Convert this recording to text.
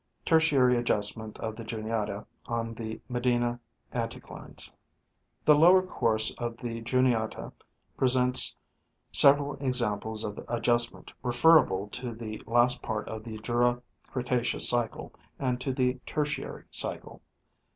Tertiary adjustment of the Juniata on the Medina anti clines. — The lower course of the Juniata presents several examples of adjustment referable to the last part of the Jura Cretaceous cycle and to the Tertiary cycle.